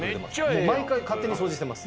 もう毎回勝手に掃除してます。